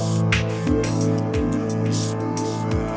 ชื่อฟอยแต่ไม่ใช่แฟง